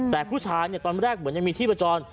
แต่ผู้ชายตอนแรกเหมือนจะมีที่ประจอน